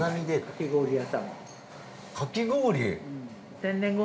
かき氷？